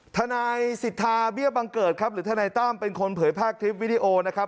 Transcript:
ทนายสิทธาเบี้ยบังเกิดครับหรือทนายตั้มเป็นคนเผยแพร่คลิปวิดีโอนะครับ